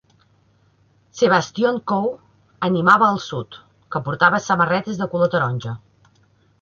Sebastion Coe animava el Sud, que portava samarretes de color taronja.